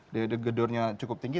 daya gedurnya cukup tinggi